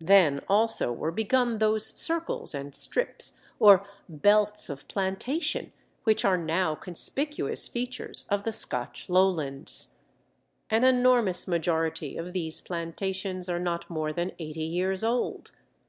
Then also were begun those circles and strips, or belts of plantation, which are now conspicuous features of the Scotch lowlands. An enormous majority of these plantations are not more than eighty years old.